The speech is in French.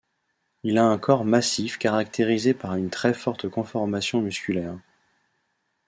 Il a un corps massif caractérisé par une très forte conformation musculaire.